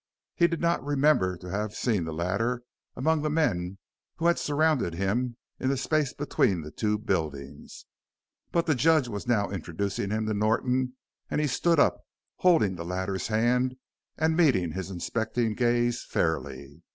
He did not remember to have seen the latter among the men who had surrounded him in the space between the two buildings. But the judge was now introducing him to Norton and he stood up, holding the latter's hand and meeting his inspecting gaze fairly.